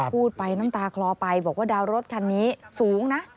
พูดไปน้ำตาคลอไปบอกว่าดาวรถคันนี้สูงนะ